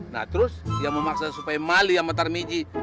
nah terus yang memaksa supaya mali sama tarmiji